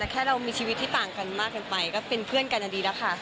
แค่เรามีชีวิตที่ต่างกันมากเกินไปก็เป็นเพื่อนกันดีแล้วค่ะ